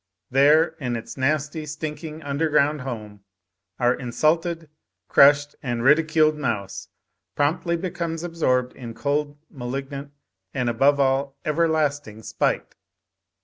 There in its nasty, stinking, underground home our insulted, crushed and ridiculed mouse promptly becomes absorbed in cold, malignant and, above all, everlasting spite.